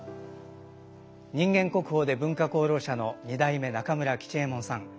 人間国宝で文化功労者の二代目中村吉右衛門さん。